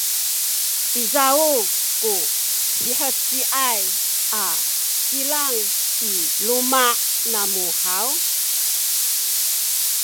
izaw ku siheciay a kilang i luma’ namu haw?